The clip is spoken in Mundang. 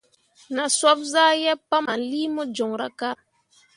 Na soɓ zah yeb pahmanlii mo joŋra ka.